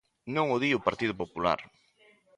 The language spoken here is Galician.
Non o di o Partido Popular.